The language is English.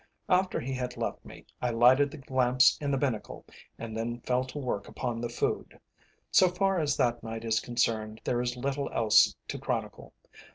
After he had left me, I lighted the lamps in the binnacle and then fell to work upon the food. So far as that night is concerned there is little else to chronicle.